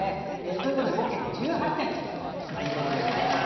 ということで合計点１８点ということでございますね。